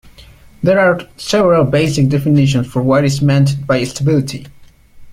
There are several basic definitions for what is meant by stability.